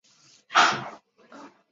父亲是荒川秀景。